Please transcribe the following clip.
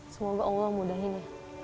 semoga allah mudahin ya